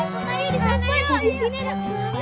jangan jauh jauh ya mainnya